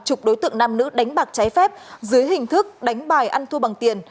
chục đối tượng nam nữ đánh bạc trái phép dưới hình thức đánh bài ăn thua bằng tiền